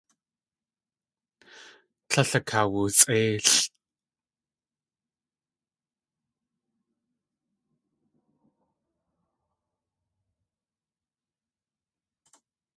Tlél akawusʼéilʼ.